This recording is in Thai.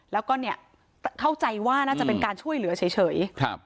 แล้วก็เนี่ยเข้าใจว่าน่าจะเป็นการช่วยเหลือเฉย